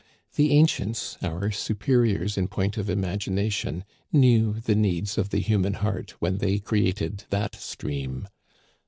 The ancients, our superiors in point of imagi nation, knew the needs of the human heart when they created that stream.